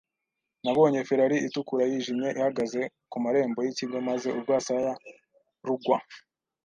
Nabonye Ferrari itukura yijimye ihagaze ku marembo yikigo maze urwasaya rugwa.